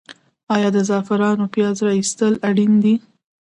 آیا د زعفرانو پیاز را ایستل اړین دي؟